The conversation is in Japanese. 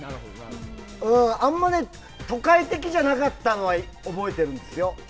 あまり都会的じゃなかったのは覚えてるんですよ。